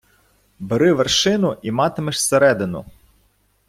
Бери вершину і матимеш середину.